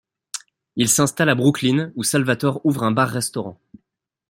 Ils s’installent à Brooklyn où Salvatore ouvre un bar-restaurant.